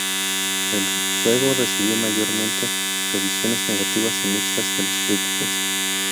El juego recibió mayormente revisiones negativas y mixtas de los críticos.